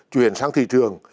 chuyển sang thị trường